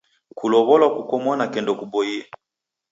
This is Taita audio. Kulow'olwa kuko mwanake ndokuboie!